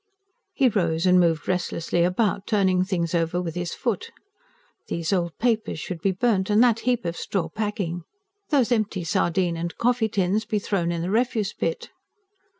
He rose and moved restlessly about, turning things over with his foot: these old papers should be burnt, and that heap of straw packing; those empty sardine and coffee tins be thrown into the refuse pit.